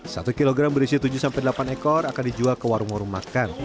satu kilogram berisi tujuh delapan ekor akan dijual ke warung warung makan